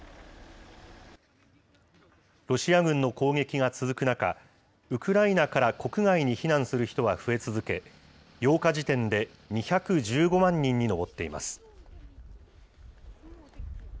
ロシア軍の攻撃が続く中、ウクライナから国外に避難する人は増え続け、８日時点で２１５万人に上っています。